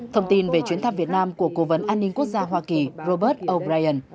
thông tin về chuyến thăm việt nam của cố vấn an ninh quốc gia hoa kỳ robert o brien